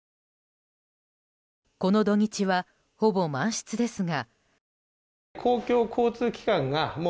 この土日は、ほぼ満室ですが。